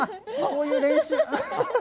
こういう練習。